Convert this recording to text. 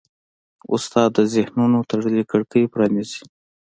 استاد د ذهنونو تړلې کړکۍ پرانیزي.